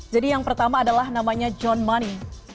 jadi yang pertama adalah namanya john money